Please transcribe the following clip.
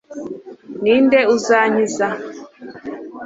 ni nde uzankiza